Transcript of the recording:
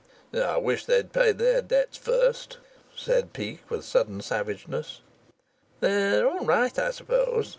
"I wish they'd pay their debts first," said Peake, with sudden savageness. "They're all right, I suppose?"